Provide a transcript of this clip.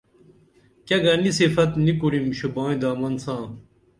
کیہ گنی صفت نی کُرِم شوبائی دامن ساں